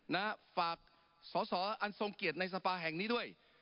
นะฝากสอสออันทรงเกียรติในสภาแห่งนี้ด้วย